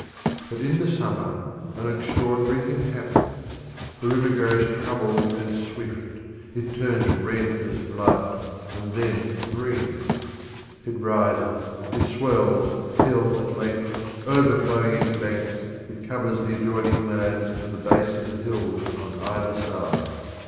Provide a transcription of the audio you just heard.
But in the summer an extraordinary thing happens. The river grows troubled and swift; it turns red as blood, and then green; it rises, it swells, till at length, overflowing its banks, it covers the adjoining lands to the base of the hills on either side.